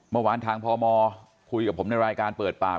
เมื่อวานทางพมคุยกับผมในรายการเปิดปาก